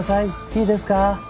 いいですか？